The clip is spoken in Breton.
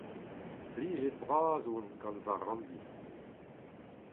Plijet-bras on gant ma ranndi.